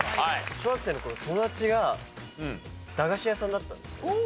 小学生の頃友達が駄菓子屋さんだったんですよ。